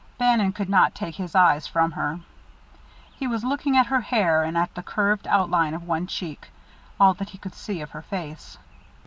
Bannon could not take his eyes from her he was looking at her hair, and at the curved outline of one cheek, all that he could see of her face.